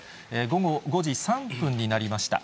午後５時３分になりました。